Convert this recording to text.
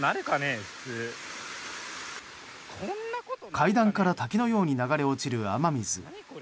階段から滝のように流れ落ちる雨水。